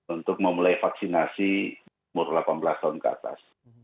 untuk memulai vaksinasi umur delapan belas tahun ke atas